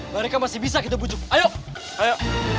mereka masih bisa kita bujuk ayo